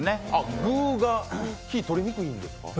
「グ」がキー取りにくいんですね。